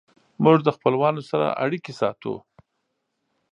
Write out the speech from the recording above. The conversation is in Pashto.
موږ د خپلوانو سره اړیکې ساتو.